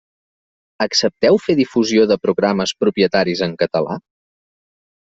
Accepteu fer difusió de programes propietaris en català?